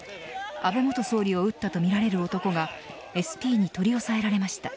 安倍元総理を撃ったとみられる男がＳＰに取り押さえられました。